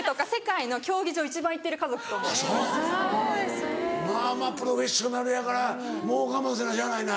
・すごい・プロフェッショナルやからもう我慢せなしゃあないな。